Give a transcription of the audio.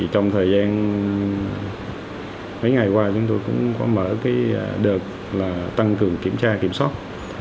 trong thời gian mấy ngày qua chúng tôi cũng có mở đợt tăng cường kiểm tra kiểm soát